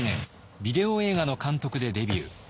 ビデオ映画の監督でデビュー。